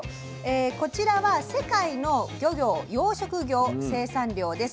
こちらは世界の漁業・養殖業生産量です。